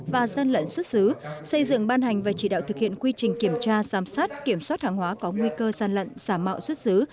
và gian lận xuất xứ xây dựng ban hành và chỉ đạo thực hiện quy trình kiểm tra giám sát kiểm soát hàng hóa có nguy cơ gian lận xả mạo xuất xứ